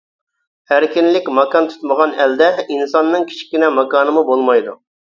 ئەركىنلىك ماكان تۇتمىغان ئەلدە، ئىنساننىڭ كىچىككىنە ماكانىمۇ بولمايدۇ.